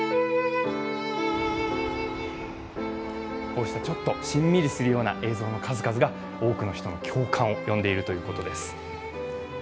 こうした、ちょっとしんみりするような映像の数々が多くの人の共感を呼んでいるということです。